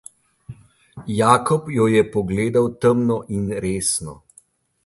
Jakob jo je pogledal temno in resno.